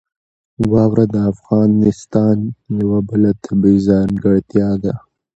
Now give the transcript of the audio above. واوره د افغانستان یوه بله طبیعي ځانګړتیا ده.